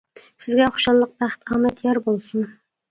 سىزگە خۇشاللىق، بەخت ئامەت يار بولسۇن.